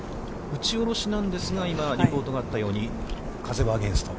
打ち下ろしなんですが今リポートがあったように、風はアゲインスト。